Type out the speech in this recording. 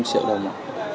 là năm triệu đồng ạ